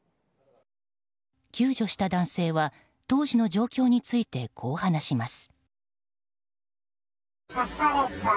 救助した男性は当時の状況についてこう話します。